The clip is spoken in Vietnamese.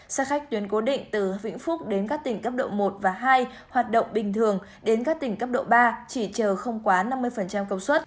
xe khách tuyến cố định từ vĩnh phúc đến các tỉnh cấp độ một và hai hoạt động bình thường đến các tỉnh cấp độ ba chỉ chờ không quá năm mươi công suất